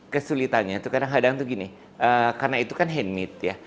kesulitanya kadang kadang itu begini karena itu kan handmade